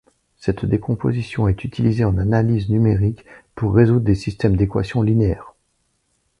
Cette décomposition est utilisée en analyse numérique pour résoudre des systèmes d'équations linéaires.